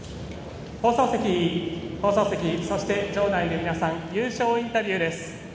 放送席、そして場内の皆さん優勝インタビューです。